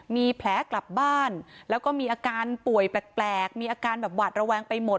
มีแผลกลับบ้านแล้วก็มีอาการป่วยแปลกมีอาการแบบหวาดระแวงไปหมด